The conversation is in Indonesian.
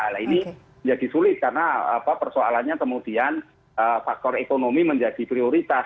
nah ini menjadi sulit karena persoalannya kemudian faktor ekonomi menjadi prioritas